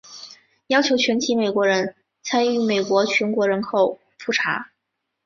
要求全体美国人参与美国全国人口普查。